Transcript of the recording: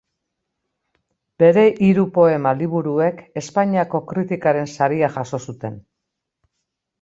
Bere hiru poema liburuek Espainiako Kritikaren Saria jaso zuten.